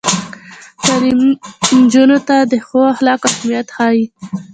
تعلیم نجونو ته د ښو اخلاقو اهمیت ښيي.